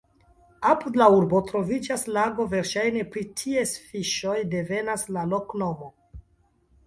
Apud la urbo troviĝas lago, verŝajne pri ties fiŝoj devenas la loknomo.